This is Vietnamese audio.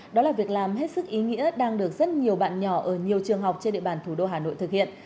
đó là việc làm hết sức ý nghĩa đang được rất nhiều bạn nhỏ ở nhiều trường học trên địa bàn thủ đô hà nội thực hiện